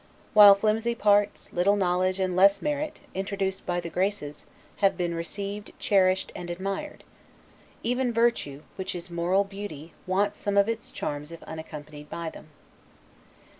While flimsy parts, little knowledge, and less merit, introduced by the Graces, have been received, cherished, and admired. Even virtue, which is moral beauty, wants some of its charms if unaccompanied by them.